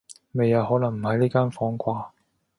未啊，可能唔喺呢間房啩